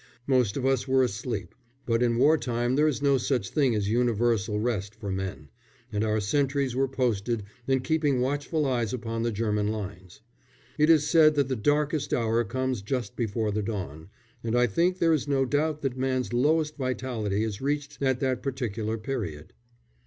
Most of us were asleep; but in war time there is no such thing as universal rest for men, and our sentries were posted and keeping watchful eyes upon the German lines. It is said that the darkest hour comes just before the dawn, and I think there is no doubt that man's lowest vitality is reached at that particular period.